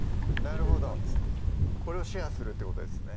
なるほどこれをシェアするってことですね